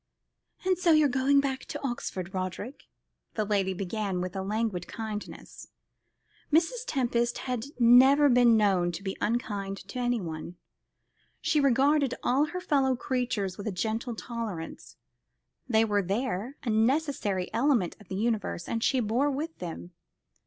"And so you are going back to Oxford, Roderick?" the lady began with a languid kindness. Mrs. Tempest had never been known to be unkind to anyone. She regarded all her fellow creatures with a gentle tolerance. They were there, a necessary element of the universe, and she bore with them.